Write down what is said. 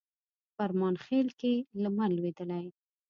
فرمانخیل کښي لمر لوېدلی